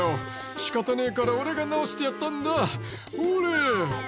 「仕方ねえから俺が直してやったんだほれ」